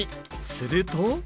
すると。